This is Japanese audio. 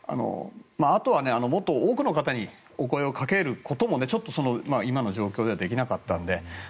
あとは、もっと多くの方にお声をかけることはちょっと、今の状況ではできなかったので。